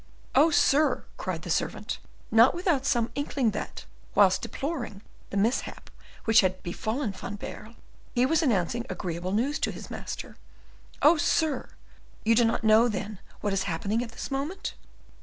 "Oh, sir!" cried the servant, not without some inkling that, whilst deploring the mishap which had befallen Van Baerle, he was announcing agreeable news to his master, "oh, sir! you do not know, then, what is happening at this moment?"